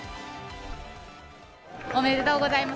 おめでとうございます。